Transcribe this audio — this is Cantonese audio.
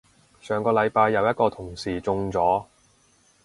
上個禮拜有一個同事中咗